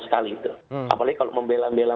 sekali itu apalagi kalau membela bela